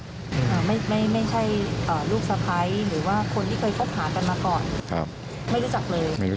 น่าจะเป็นแฟนใหม่